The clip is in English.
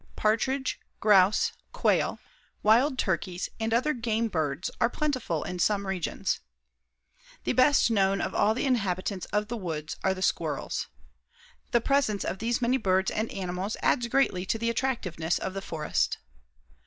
Partridge, grouse, quail, wild turkeys and other game birds are plentiful in some regions. The best known of all the inhabitants of the woods are the squirrels. The presence of these many birds and animals adds greatly to the attractiveness of the forest.